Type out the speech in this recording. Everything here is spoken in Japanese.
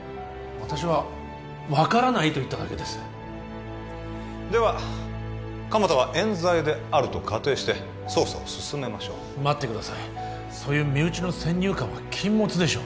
私は「分からない」と言っただけですでは鎌田は冤罪であると仮定して捜査を進めましょう待ってくださいそういう身内の先入観は禁物でしょう